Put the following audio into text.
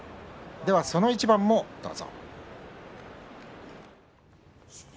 その一番をどうぞ。